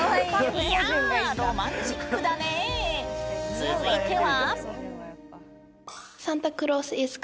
続いては。